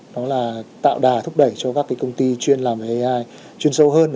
đó là tạo đà thúc đẩy cho các cái công ty chuyên làm ai chuyên sâu hơn